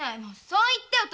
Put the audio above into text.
そう言ってよ